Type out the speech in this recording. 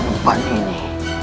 semua yang perlu